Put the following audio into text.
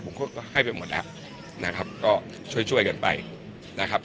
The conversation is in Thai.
ผมก็ให้ไปหมดแล้วนะครับก็ช่วยช่วยกันไปนะครับ